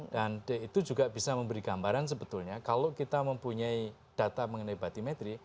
dan itu juga bisa memberi gambaran sebetulnya kalau kita mempunyai data mengenai batimetri